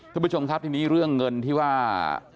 คุณผู้ชมครับทีนี้เรื่องเงินที่ว่า